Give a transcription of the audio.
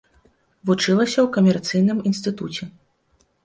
Вучылася ў камерцыйным інстытуце.